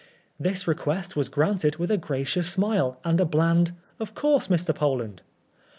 This request was granted with a gracious smile and a bland, 0f course, Mr. Poland."